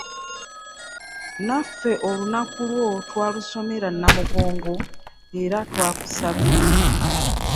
Naffe olunaku lwo twalusomera Namugongo era twakusabira.